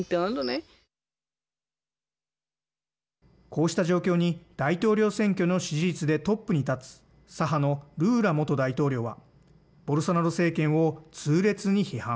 こうした状況に大統領選挙の支持率でトップに立つ左派のルーラ元大統領はボルソナロ政権を痛烈に批判。